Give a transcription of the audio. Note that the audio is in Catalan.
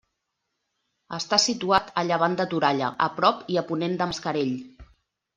Està situat a llevant de Toralla, a prop i a ponent de Mascarell.